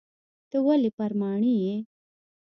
ته ولي پر ماڼي یې ؟